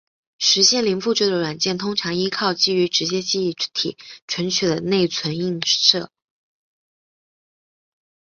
实现零复制的软件通常依靠基于直接记忆体存取的内存映射。